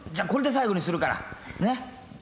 これで最後にするからねっ。